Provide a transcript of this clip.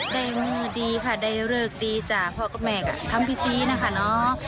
ได้มือดีค่ะได้เริกดีจ้ะเพราะก็แม่ก่อนทำพิธีนะคะเนอะ